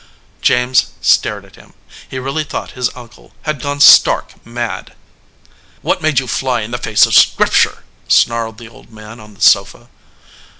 James stared at him. He really thought his uncle had gone stark mad. "What made you fly in the face of Scripture?" snarled the old man on the sofa.